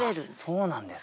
そうなんですね。